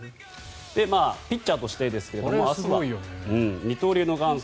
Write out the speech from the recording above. ピッチャーとしてですが明日は二刀流の元祖